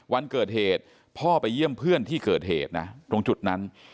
วันเกิดเหตุพ่อไปเยี่ยมเพื่อนที่เกิดเหตุนะตรงจุดนั้น